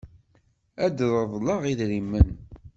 Ad d-reḍleɣ idrimen.